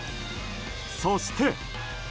そして。